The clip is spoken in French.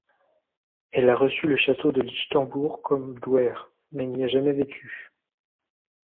Elle a reçu le château de Lichtenbourg comme douaire, mais n'y a jamais vécu.